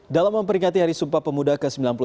dalam memperingati hari sumpah pemuda ke sembilan puluh satu